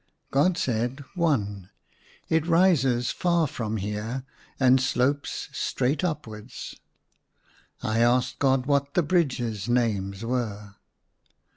" God said, One ; it rises far from here and slopes straight upwards. I asked God what the bridges' names were.